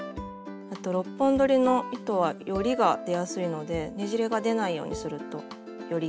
あと６本どりの糸はよりが出やすいのでねじれが出ないようにするとよりきれいです。